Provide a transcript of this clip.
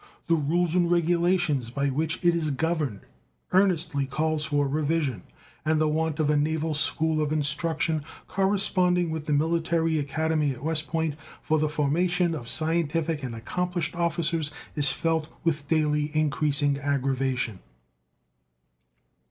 The rules and regulations by which it is governed earnestly call for revision, and the want of a naval school of instruction, corresponding with the Military Academy at West Point, for the formation of scientific and accomplished officers, is felt with daily increasing aggravation.